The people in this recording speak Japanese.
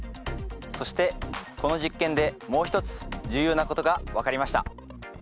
そしてこの実験でもう一つ重要なことが分かりました。